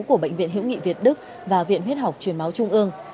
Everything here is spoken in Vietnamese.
của bệnh viện hữu nghị việt đức và viện huyết học truyền máu trung ương